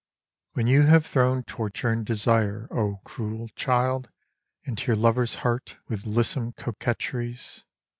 GAZAL. WHEN you have thrown torture and desire, O cruel child. Into your lover's heart with lissom coquetries.